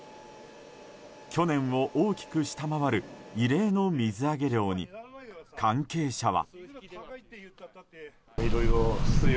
去年を大きく下回る異例の水揚げ量に関係者は。